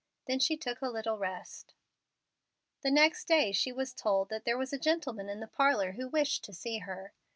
Then she took a little rest. The next day she was told that there was a gentleman in the parlor who wished to see her.